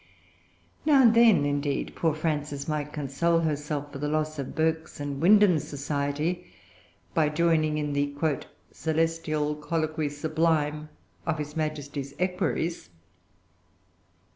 Now and then, indeed, poor Frances might console herself for the loss of Burke's and Windham's society, by joining in the "celestial colloquy sublime" of his Majesty's Equerries.